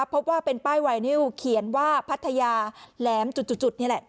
พบว่าเป็นป้ายไวนิวเขียนว่าพัทยาแหลมจุดนี่แหละ